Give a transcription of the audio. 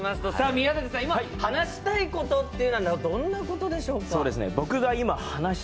宮舘さん、いま話したいことっていうのはどんなことでしょうか？